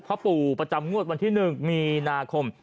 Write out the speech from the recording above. พ่อปู่ประจำงวดวันที่๑มีนาคม